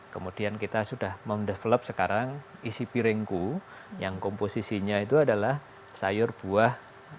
kemudian kita sudah mendevelop sekarang isi piringku yang komposisinya itu adalah sayur buah